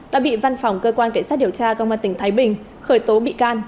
đã bị văn phòng cơ quan cảnh sát điều tra công an tỉnh thái bình khởi tố bị can